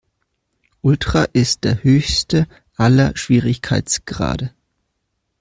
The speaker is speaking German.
Ultra ist der höchste aller Schwierigkeitsgrade.